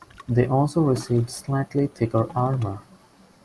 They also received slightly thicker armour.